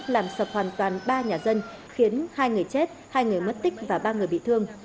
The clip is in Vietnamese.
làm sập hoàn toàn ba nhà dân khiến hai người chết hai người mất tích và ba người bị thương